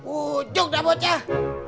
ujuk dah bocah